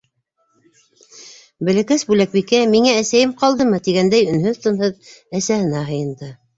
Бәләкәс Бүләкбикә «миңә әсәйем ҡалдымы», тигәндәй өнһөҙ-тынһыҙ әсәһенә һыйынды.